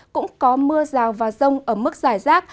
cũng có mưa rào và rông ở mức giải rác